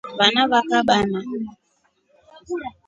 Vana va kabana.